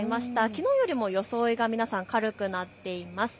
きのうよりも装いが皆さん、軽くなっています。